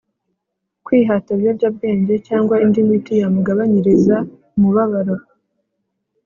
kwihata ibiyobyabwenge cyangwa indi miti yamugabanyiriza umubabaro